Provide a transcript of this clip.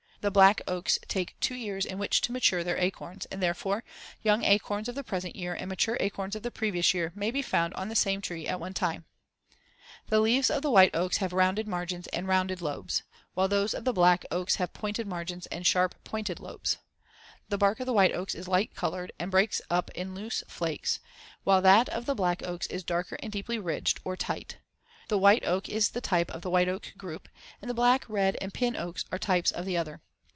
The black oaks take two years in which to mature their acorns and, therefore, young acorns of the present year and mature acorns of the previous year may be found on the same tree at one time. The leaves of the white oaks have rounded margins and rounded lobes as in Fig. 57, while those of the black oaks have pointed margins and sharp pointed lobes as shown in Figs. 60, 62 and 64. The bark of the white oaks is light colored and breaks up in loose flakes as in Fig. 58, while that of the black oaks is darker and deeply ridged or tight as in Figs. 59 and 61. The white oak is the type of the white oak group and the black, red and pin oaks are types of the other.